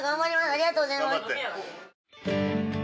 ありがとうございます。